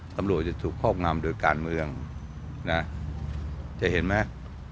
ตำรวจจะถูกครอบงำโดยการเมืองนะจะเห็นไหม